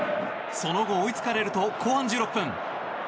その後追いつかれると後半１６分。